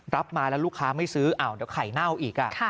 รับมาแล้วลูกค้าไม่ซื้อเดี๋ยวไข่เน่าอีก